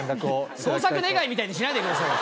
捜索願みたいにしないでください。